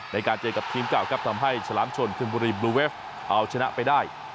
ในการเจอกับทีมเก่าครับทำให้ฉลามชนคิมบุรีบลูเวฟเอาชนะไปได้